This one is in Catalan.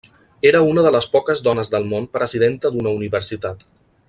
Era una de les poques dones del món presidenta d'una universitat.